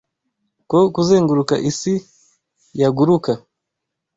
Ko kuzenguruka isi yaguruka